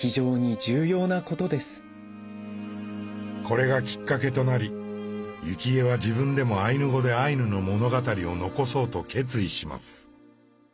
これがきっかけとなり幸恵は自分でもアイヌ語でアイヌの物語を残そうと決意します。